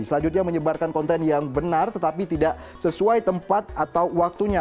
selanjutnya menyebarkan konten yang benar tetapi tidak sesuai tempat atau waktunya